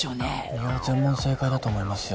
いや全問正解だと思いますよ。